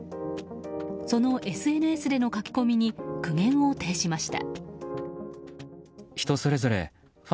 そのＳＮＳでの書き込みに苦言を呈しました。